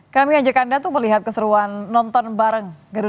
kami ajak anda untuk melihat keseruan nonton bareng